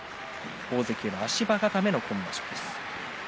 大関の足場固めの今場所です。